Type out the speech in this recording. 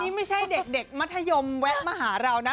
นี่ไม่ใช่เด็กมัธยมแวะมาหาเรานะ